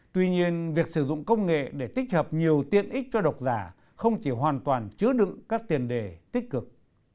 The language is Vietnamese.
tuy nhiên việc sử dụng công nghệ để tích hợp nhiều tiện ích cho độc giả không chỉ hoàn toàn chứa đựng các tiền đề tích cực